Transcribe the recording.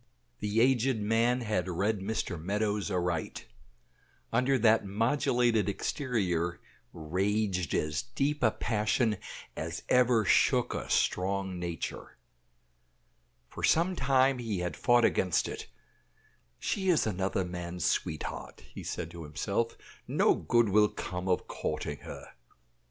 The aged man had read Mr. Meadows aright; under that modulated exterior raged as deep a passion as ever shook a strong nature. For some time he had fought against it. "She is another man's sweetheart," he had said to himself; "no good will come of courting her."